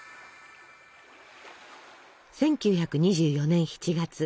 １９２４年７月。